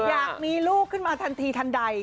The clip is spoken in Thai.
อยากมีลูกขึ้นมาทันทีทันใด